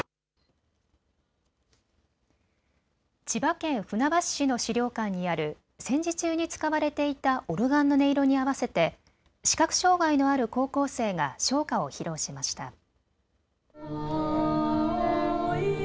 千葉県船橋市の資料館にある戦時中に使われていたオルガンの音色に合わせて視覚障害のある高校生が唱歌を披露しました。